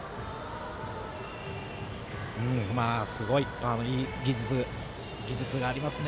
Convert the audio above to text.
すごい、いい技術がありますね。